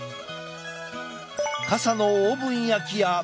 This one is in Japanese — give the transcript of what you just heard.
傘のオーブン焼きや。